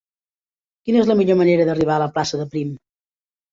Quina és la millor manera d'arribar a la plaça de Prim?